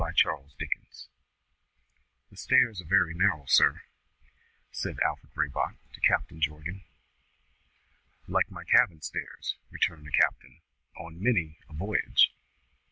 CHAPTER II THE MONEY "The stairs are very narrow, sir," said Alfred Raybrock to Captain Jorgan. "Like my cabin stairs," returned the captain, "on many a voyage."